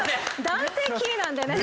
男性キーなんでね。